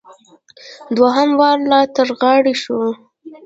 دوهم وار را تر غاړې شو.